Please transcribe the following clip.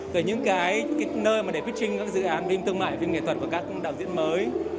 rồi những cái nơi mà để pitching các dự án phim thương mại phim nghệ thuật của các đạo diễn mới